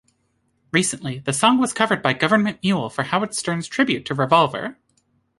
Recently, the song was covered by Gov't Mule for Howard Stern's tribute to Revolver.